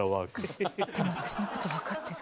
でも私の事わかってる。